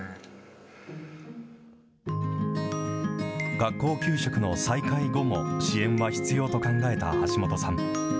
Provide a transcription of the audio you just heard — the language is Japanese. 学校給食の再開後も支援は必要と考えた橋本さん。